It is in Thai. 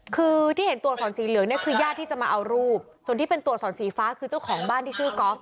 คือที่เห็นตัวอักษรสีเหลืองเนี่ยคือญาติที่จะมาเอารูปส่วนที่เป็นตัวสอนสีฟ้าคือเจ้าของบ้านที่ชื่อก๊อฟ